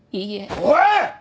おい！